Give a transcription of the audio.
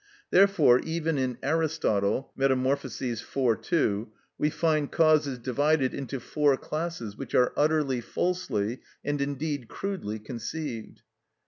Therefore even in Aristotle ("Metaph.," iv. 2) we find causes divided into four classes which are utterly falsely, and indeed crudely conceived.